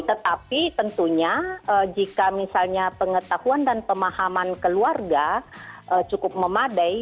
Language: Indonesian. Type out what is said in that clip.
tetapi tentunya jika misalnya pengetahuan dan pemahaman keluarga cukup memadai